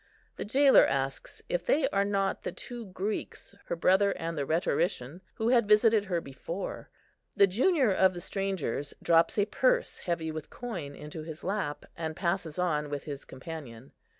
The jailor asks if they are not the two Greeks, her brother and the rhetorician, who had visited her before. The junior of the strangers drops a purse heavy with coin into his lap, and passes on with his companion.